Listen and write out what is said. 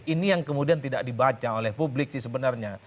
ini yang kemudian tidak dibaca oleh publik sih sebenarnya